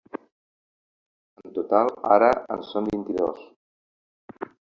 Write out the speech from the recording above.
En total, ara, en són vint-i-dos.